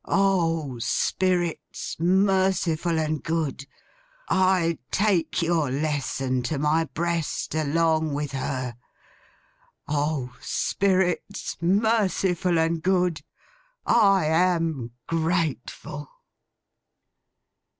O Spirits, merciful and good, I take your lesson to my breast along with her! O Spirits, merciful and good, I am grateful!